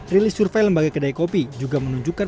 rilis survei lembaga kedai kopi juga menunjukkan